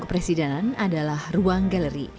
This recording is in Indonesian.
kepresidenan adalah ruang galeri